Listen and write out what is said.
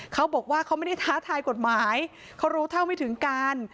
เขาบอกว่าเขาไม่ได้ท้าทายกฎหมายเขารู้เท่าไม่ถึงการ